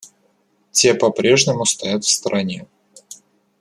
Те по-прежнему стоят в стороне.